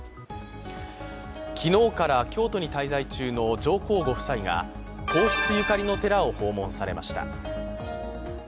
昨日から京都に滞在中の上皇ご夫妻が皇室ゆかりの寺を訪問されました。